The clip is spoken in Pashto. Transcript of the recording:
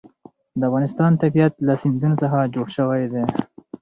د افغانستان طبیعت له سیندونه څخه جوړ شوی دی.